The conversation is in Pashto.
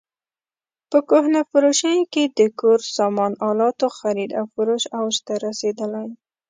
په کهنه فروشیو کې د کور سامان الاتو خرید او فروش اوج ته رسېدلی.